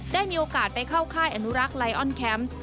ได้มีโอกาสไปเข้าค่ายอนุรักษ์ไลออนแคมป์